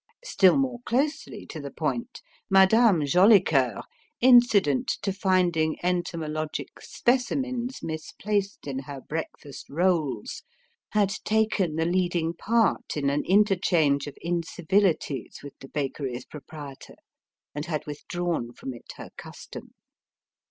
Still more closely to the point, Madame Jolicoeur incident to finding entomologic specimens misplaced in her breakfast rolls had taken the leading part in an interchange of incivilities with the bakery's proprietor, and had withdrawn from it her custom.